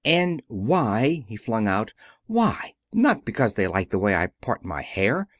"And why!" he flung out. "Why! Not because they like the way I part my hair.